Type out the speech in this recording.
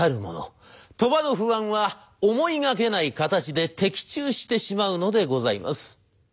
鳥羽の不安は思いがけない形で的中してしまうのでございます。